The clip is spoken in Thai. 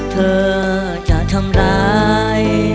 เธอจะทำร้าย